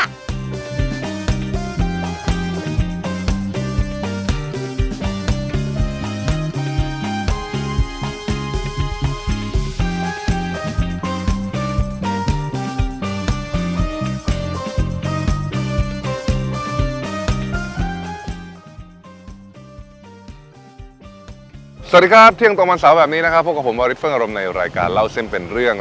สวัสดีครับเที่ยงตรงวันเสาร์แบบนี้นะครับพบกับผมวาริสเฟิ่งอารมณ์ในรายการเล่าเส้นเป็นเรื่อง